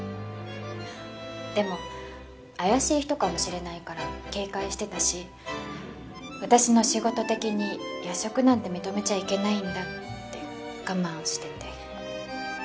でも怪しい人かもしれないから警戒してたし私の仕事的に夜食なんて認めちゃいけないんだって我慢してて。